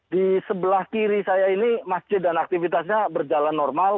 di sebelah kiri saya ini masjid dan aktivitasnya berjalan normal